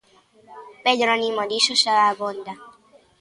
Pedro Nimo dixo "xa abonda".